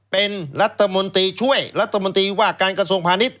เป็นรัฐมนตรีช่วยรัฐมนตรีว่าการกสมภานิษฐ์